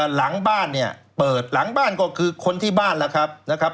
หลังบ้านเนี่ยเปิดหลังบ้านก็คือคนที่บ้านล่ะครับนะครับ